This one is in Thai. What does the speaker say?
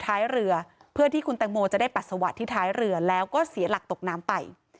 ท้ายเรือเพื่อที่คุณแตงโมจะได้ปัสสาวะที่ท้ายเรือแล้วก็เสียหลักตกน้ำไป